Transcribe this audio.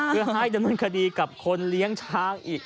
เพื่อให้ดำเนินคดีกับคนเลี้ยงช้างอีก